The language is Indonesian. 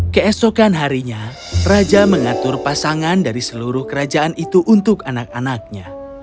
keesokan harinya raja mengatur pasangan dari seluruh kerajaan itu untuk anak anaknya